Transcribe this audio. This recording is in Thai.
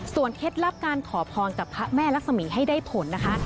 เคล็ดลับการขอพรกับพระแม่รักษมีให้ได้ผลนะคะ